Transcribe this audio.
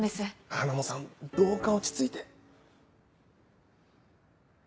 ハナモさんどうか落ち着いて。